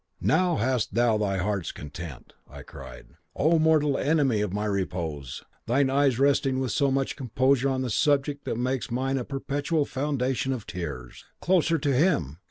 "'Now hast thou thy heart's content,' I cried, 'O mortal enemy of my repose, thine eyes resting with so much composure on the object that makes mine a perpetual fountain of tears! Closer to him!